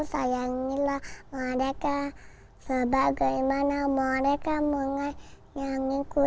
sayangilah mereka sebagaimana mereka mengayangiku